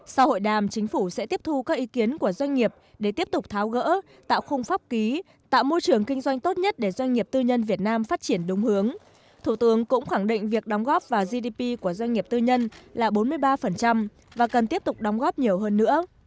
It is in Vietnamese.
sau hội đàm chính phủ sẽ tiếp thu các ý kiến của doanh nghiệp để tiếp tục tháo gỡ tạo khung pháp ký tạo môi trường kinh doanh tốt nhất để doanh nghiệp tư nhân việt nam phát triển đúng hướng thủ tướng cũng khẳng định việc đóng góp vào gdp của doanh nghiệp tư nhân là bốn mươi ba và cần tiếp tục đóng góp nhiều hơn nữa